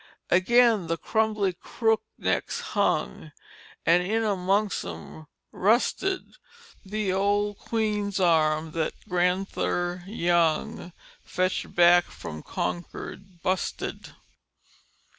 "Agin the crumbly crooknecks hung, An' in amongst 'em rusted The old queen's arm that granther Young Fetched back from Concord busted."